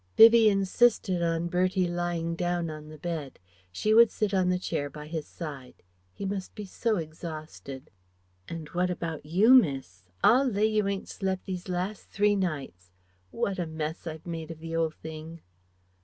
Vivie insisted on Bertie lying down on the bed; she would sit on the chair by his side. He must be so exhausted.... "And what about you, miss? I'll lay you ain't slept these last three nights. What a mess I've made of the 'ole thing!"